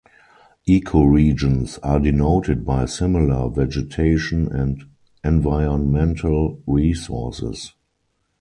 Ecoregions are denoted by similar vegetation and environmental resources.